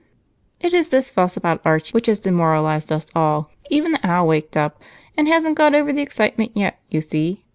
"It is this fuss about Archie which has demoralized us all. Even the owl waked up and hasn't got over the excitement yet, you see.